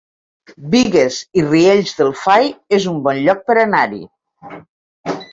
Bigues i Riells del Fai es un bon lloc per anar-hi